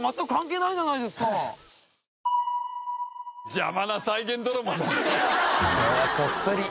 邪魔な再現ドラマだ。